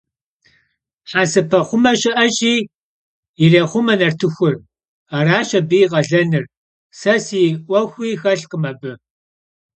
Hesepexhume şı'eşi, yirêxhume nartıxur, araş abı yi khalenır, se si 'uexu xelhkhım abı.